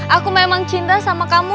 aku memang cinta sama kamu